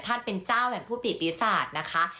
ท่านเป็นเจ้าแห่งผู้ติปีศาสตร์นะคะ